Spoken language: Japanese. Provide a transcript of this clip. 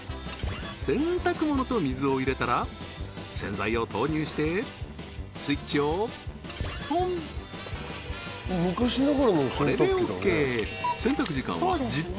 洗濯物と水を入れたら洗剤を投入してスイッチをオンこれでＯＫ